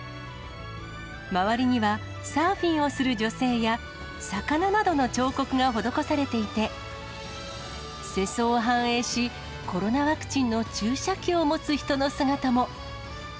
周りにはサーフィンをする女性や、魚などの彫刻が施されていて、世相を反映し、コロナワクチンの注射器を持つ人の姿も。